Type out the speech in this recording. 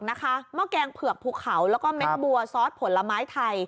หม้อแกงเผือกภูเขาแล้วก็เม็ดบัวซอสผลไม้ไทย